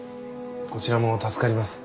こちらも助かります。